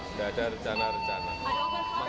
sudah ada rencana silat kami sama bapak